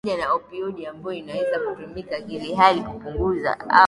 pamoja na opioidi ambayo inaweza kutumika kihalali hupunguza au